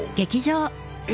え？